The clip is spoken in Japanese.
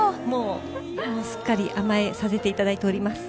すっかり甘えさせていただいております。